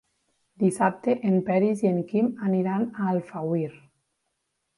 Dissabte en Peris i en Quim aniran a Alfauir.